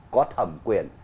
có thẩm quyền